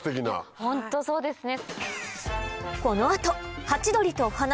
ホントそうですね。